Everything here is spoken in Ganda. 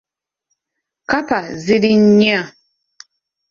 Kkapa ziri nnya .